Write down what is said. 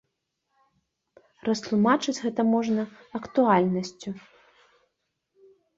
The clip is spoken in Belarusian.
Растлумачыць гэта можна актуальнасцю.